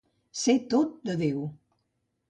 Ser tot de Déu.